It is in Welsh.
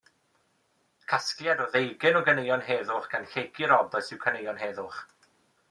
Casgliad o ddeugain o ganeuon heddwch gan Lleucu Roberts yw Caneuon Heddwch.